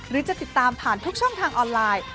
หรือจะติดตามผ่านทุกช่องทางออนไลน์